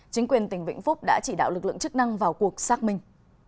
chính quyền tỉnh vĩnh phúc đã chỉ đạo lực lượng chức năng vào cuộc xác minh